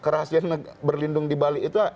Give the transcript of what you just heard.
rahasia berlindung dibalik itu